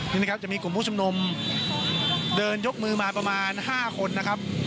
นี่นะครับจะมีกลุ่มผู้ชุมนุมเดินยกมือมาประมาณ๕คนนะครับ